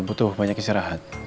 butuh banyak istirahat